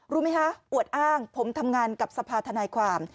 รู้ไหมคะอวดอ้างผมทำงานกับสภาธนายความ